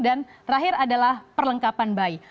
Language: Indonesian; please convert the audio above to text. dan terakhir adalah perlengkapan bayi